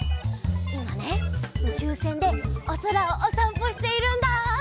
いまねうちゅうせんでおそらをおさんぽしているんだ。